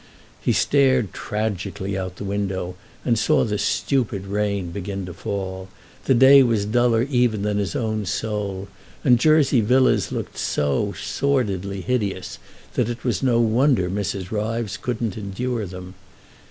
He stared tragically out of the window and saw the stupid rain begin to fall; the day was duller even than his own soul, and Jersey Villas looked so sordidly hideous that it was no wonder Mrs. Ryves couldn't endure them.